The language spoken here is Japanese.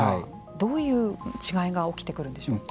どういう違いが起きてくるんでしょうか。